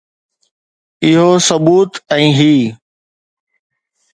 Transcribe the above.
اهو ثبوت ۽ هي.